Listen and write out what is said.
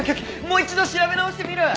もう一度調べ直してみる！